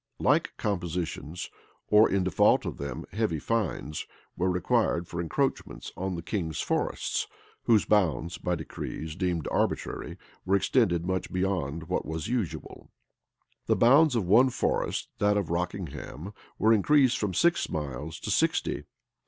[] Like compositions, or, in default of them, heavy fines, were required for encroachments on the king's forests, whose bounds, by decrees deemed arbitrary, were extended much beyond what was usual.[] The bounds of one forest, that of Rockingham, were increased from six miles to sixty.